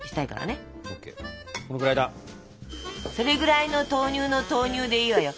それぐらいの豆乳の投入でいいわよ。